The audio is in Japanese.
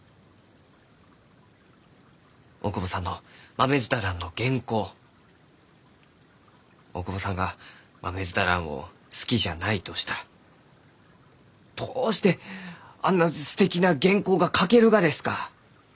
大窪さんの「まめづたらん」の原稿大窪さんがマメヅタランを好きじゃないとしたらどうしてあんなすてきな原稿が書けるがですか？